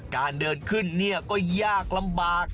การเดินขึ้นเนี่ยก็ยากลำบาก